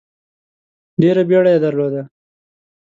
ډېره بیړه یې درلوده.